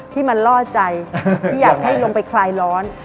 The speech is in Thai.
ที่มันล่อใจที่อยากให้ลงไปคลายร้อน